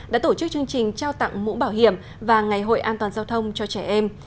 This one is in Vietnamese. đã tổ chức chương trình trao tặng mũ bảo hiểm và ngày hội an toàn giao thông cho trẻ em